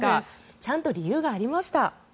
ちゃんと理由がありました。